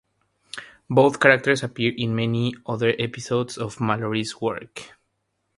Both characters appear in many other episodes of Malory's work.